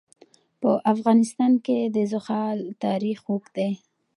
په افغانستان کې د زغال تاریخ اوږد دی.